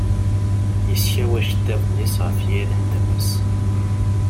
yeskaw iceṭṭiḍen-is ɣef yiri n tmes.